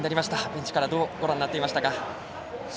ベンチからどうご覧になっていましたか？